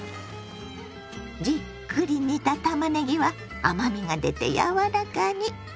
じっくり煮たたまねぎは甘みが出て柔らかに。